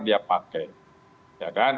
dia pakai ya kan